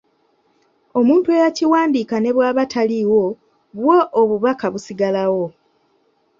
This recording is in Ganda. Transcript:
Omuntu eyakiwandiika ne bw’aba taliiwo bwo obubaka busigalawo.